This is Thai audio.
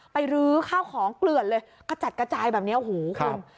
รื้อข้าวของเกลือดเลยกระจัดกระจายแบบนี้โอ้โหคุณ